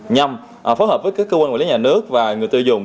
nhằm phối hợp với các cơ quan quản lý nhà nước và người tiêu dùng